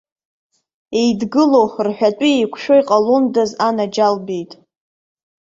Еидгыло, рҳәатәы еиқәшәо иҟалондаз, анаџьалбеит.